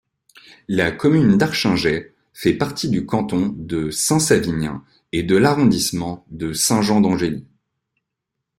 La commune d'Archingeay fait partie du canton de Saint-Savinien et de l'arrondissement de Saint-Jean-d'Angély.